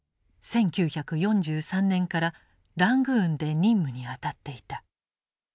１９４３年からラングーンで任務に当たっていた。